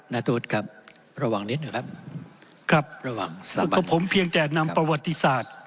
นาตูธครับระวังนิดนะครับผมเพียงแจ่นำประวัติศาสตร์